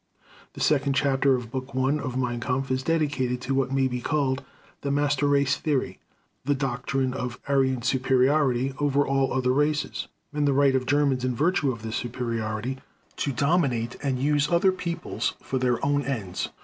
The second chapter of Book 1 of Mein Kampf is dedicated to what may be called the "Master Race" theory, the doctrine of Aryan superiority over all other races, and the right of Germans in virtue of this superiority to dominate and use other peoples for their own ends.